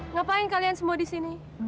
ngapain kalian semua disini